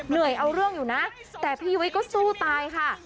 เหนื่อยเอาเรื่องอยู่นะแต่พี่วิทย์ก็สู้ตายค่ะ